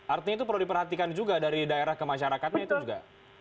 artinya itu perlu diperhatikan juga dari daerah ke masyarakatnya itu juga